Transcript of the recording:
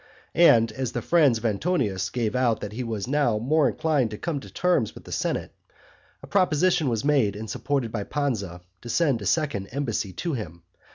And, as the friends of Antonius gave out that he was now more inclined to come to terms with the senate, a proposition was made and supported by Pansa to send a second embassy to him.